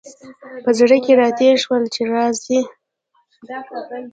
په زړه کي را تېر شول چي راځي !